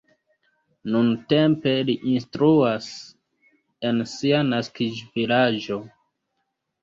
Nuntempe li instruas en sia naskiĝvilaĝo.